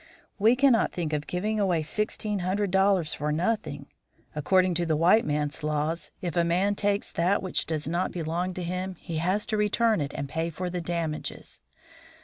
We can not think of giving away sixteen hundred dollars for nothing. According to the white man's laws, if a man takes that which does not belong to him, he has to return it and pay for the damages.